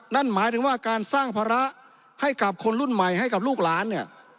นั่นหมายถึงว่าการสร้างภาระให้กับคนรุ่นใหม่ให้กับลูกหลานเนี่ย